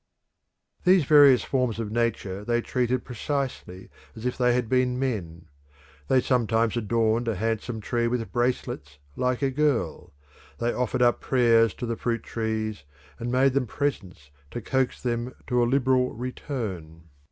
These various forms of nature they treated precisely as if they had been men. They sometimes adorned a handsome tree with bracelets like a girl; they offered up prayers to the fruit trees, and made them presents to coax them to a liberal return.